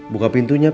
buka pintunya pep